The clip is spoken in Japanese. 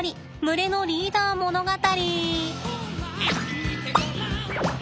群れのリーダー物語！